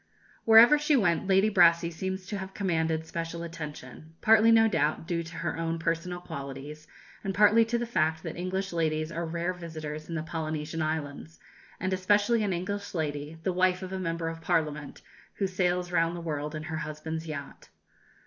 ] Wherever she went Lady Brassey seems to have commanded special attention; partly no doubt due to her own personal qualities, and partly to the fact that English ladies are rare visitors in the Polynesian islands and especially an English lady, the wife of a member of parliament, who sails round the world in her husband's yacht!